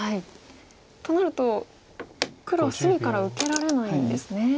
となると黒は隅から受けられないんですね。